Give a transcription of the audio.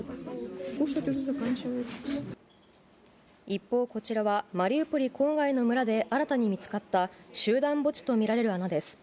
一方、こちらはマリウポリ郊外の村で新たに見つかった集団墓地と見られる穴です。